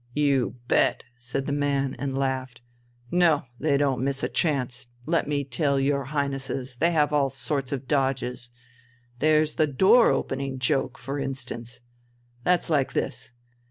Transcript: "You bet!" said the man, and laughed. "No, they don't miss a chance, let me tell your Highnesses, they have all sorts of dodges. There's the door opening joke, for instance.... That's like this.